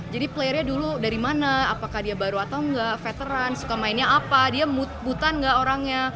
jadi playernya dulu dari mana apakah dia baru atau enggak veteran suka mainnya apa dia mutan gak orangnya